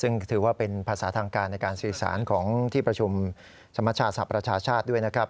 ซึ่งถือว่าเป็นภาษาทางการในการสื่อสารของที่ประชุมสมชาศาสประชาชาติด้วยนะครับ